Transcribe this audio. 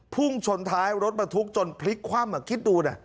พุ่งชนท้ายรถบรรทุกจนพลิกคว่ำคิดดูนะ